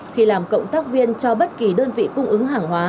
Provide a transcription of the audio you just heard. khi làm cộng tác viên cho bất kỳ đơn vị cung ứng hàng hóa